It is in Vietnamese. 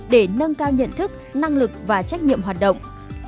để nâng cao nhận thức năng lực và trách nhiệm hoạt động